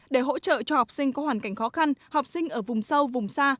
để hỗ trợ cho học sinh có hoàn cảnh khó khăn học sinh ở vùng sâu vùng xa